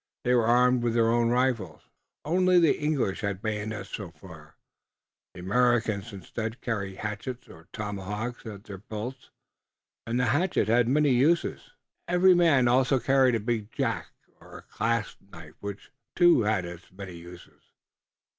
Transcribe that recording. They were armed with their own rifles. Only the English had bayonets so far. The Americans instead carried hatchets or tomahawks at their belts, and the hatchet had many uses. Every man also carried a big jack or clasp knife which, too, had its many uses.